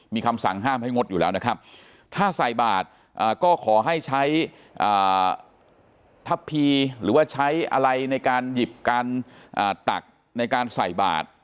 มีคำสั่งห้ามให้งดอยู่แล้วนะครับถ้าใส่บาทก็ขอให้ใช้ทัพพีหรือว่าใช้อะไรในการหยิบการตักในการใส่บาท